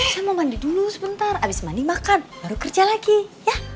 saya mau mandi dulu sebentar habis mandi makan baru kerja lagi ya